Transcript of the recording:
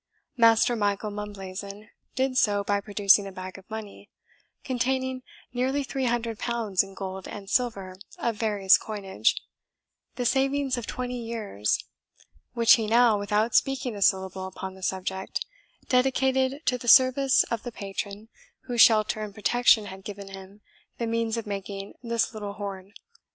Master Michael Mumblazen did so by producing a bag of money, containing nearly three hundred pounds in gold and silver of various coinage, the savings of twenty years, which he now, without speaking a syllable upon the subject, dedicated to the service of the patron whose shelter and protection had given him the means of making this little hoard.